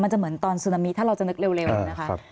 จะเหมือนตอนซึนามิถ้าเราจะนึกเร็วนะคะ